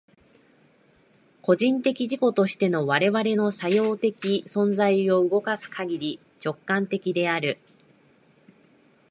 個人的自己としての我々の作用的存在を動かすかぎり、直観的である。